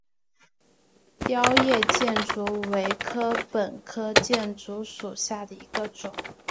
凋叶箭竹为禾本科箭竹属下的一个种。